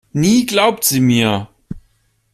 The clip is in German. Nie glaubt sie mir.